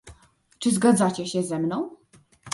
Czy zgadzacie się ze mną?